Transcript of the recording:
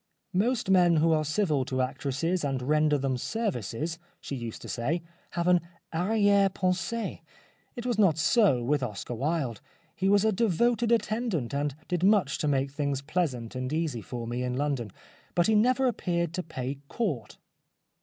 " Most men who are civil to actresses and render them services/' she used to say, " have an arriere pensee. It was not so with Oscar Wilde. He was a devoted attendant, and did much to make things pleasant and easy for me in London, but he never appeared to pay court."